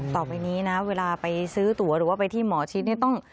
ต่อไปนี้นะเวลาไปซื้อตัวหรือว่าไปที่หมอชิดเนี่ยต้อง